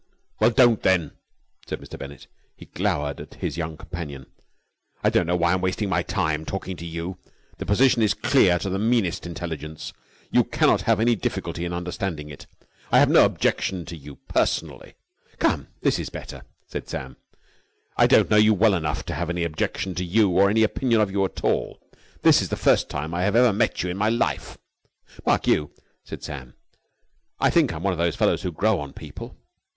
"Well, don't then!" said Mr. Bennett. He glowered at his young companion. "I don't know why I'm wasting my time, talking to you. The position is clear to the meanest intelligence. You cannot have any difficulty in understanding it. I have no objection to you personally...." "Come, this is better!" said Sam. "I don't know you well enough to have any objection to you or any opinion of you at all. This is the first time I have ever met you in my life." "Mark you," said Sam. "I think I am one of those fellows who grow on people...."